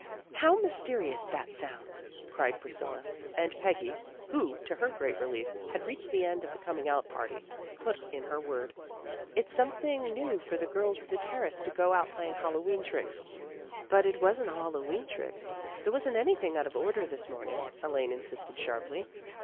" How mysterious that sounds," cried Pris cilla, and Peggy, who, to her great relief, had reached the end of the coming out party, put in her word. " It's something new for the girls of the Terrace to go out playing Hallowe'en tricks." " But it wasn't a Hallowe'en trick. There wasn't anything out of order this morning," Elaine insisted sharply.